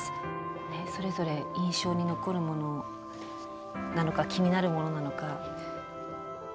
それぞれ印象に残るものなのか気になるものなのか。